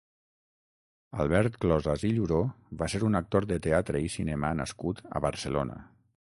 Albert Closas i Lluró va ser un actor de teatre i cinema nascut a Barcelona.